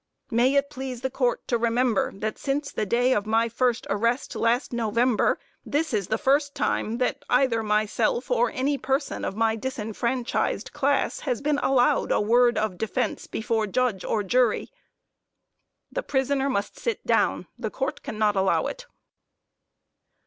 May it please the Court to remember that since the day of my arrest last November, this is the first time that either myself or any person of my disfranchised class has been allowed a word of defense before judge or jury JUDGE HUNT The prisoner must sit down the Court cannot allow it.